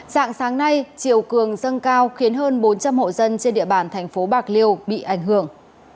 dạng sáng nay chiều cường dâng cao khiến hơn bốn trăm linh hộ dân trên địa bàn thành phố bạc liêu bị ảnh hưởng